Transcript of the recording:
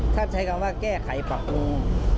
ถ้าใช้คำว่าแก้ไขปรับปรุง